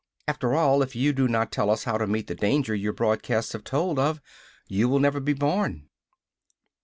After all, if you do not tell us how to meet the danger your broadcasts have told of, you will never be born!"